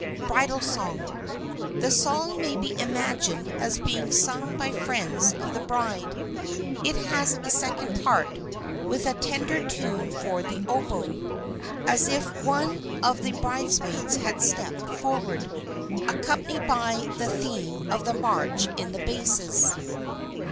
BRIDAL SONG The song may be imagined as being sung by friends of the bride. It has a second part, with a tender tune for the oboe (as if one of the bridesmaids had stepped forward), accompanied by the theme of the march in the basses.